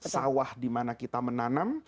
sawah dimana kita menanam